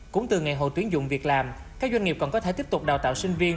cũng từ ngày hội tuyến dụng việc làm các doanh nghiệp còn có thể tiếp tục đào tạo sinh viên